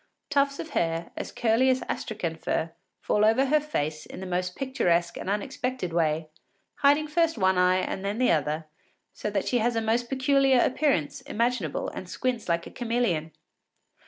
Tufts of hair, curly as Astrakhan fur, fall over her face in the most picturesque and unexpected way, hiding first one eye and then the other, so that she has the most peculiar appearance imaginable and squints like a chameleon.